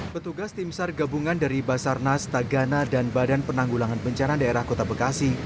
petugas tim sar gabungan dari basarnas tagana dan badan penanggulangan bencana daerah kota bekasi